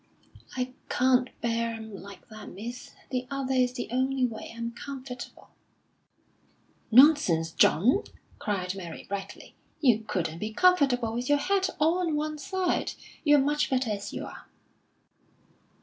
"I can't bear 'em like that, miss. The other is the only way I'm comfortable." "Nonsense, John!" cried Mary, brightly. "You couldn't be comfortable with your head all on one side; you're much better as you are."